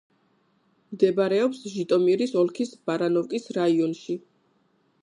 მდებარეობს ჟიტომირის ოლქის ბარანოვკის რაიონში.